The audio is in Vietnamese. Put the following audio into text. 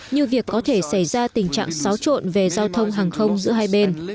như việc có thể xảy ra tình trạng xáo trộn về giao thông hàng không giữa hai bên